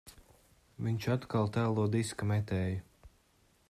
Viņš atkal tēlo diska metēju.